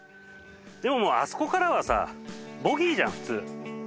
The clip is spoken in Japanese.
でもあそこからはさボギーじゃん普通。